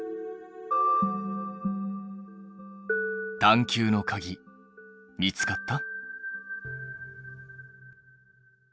探究のかぎ見つかった？